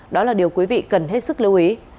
đó là điều quý vị cần hết sức lưu ý